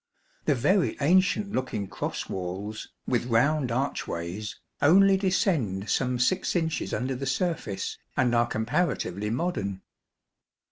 The very ancient looking cross walls, with round arch ways, only descend some six inches under the surface, and are comparatively modern.